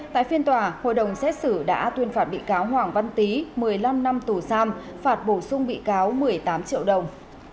tại phiên tòa hội đồng xét xử đã tuyên phạt bị cáo hoàng văn tý một mươi năm năm tù giam phạt bổ sung bị cáo một mươi tám triệu đồng